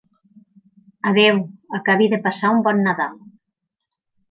Adéu, acabi de passar un bon Nadal.